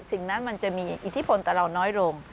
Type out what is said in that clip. สิ่งนั้นมันจะมีอิทธิพลแต่เราน้อยลง